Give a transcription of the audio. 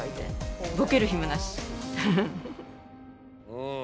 うん！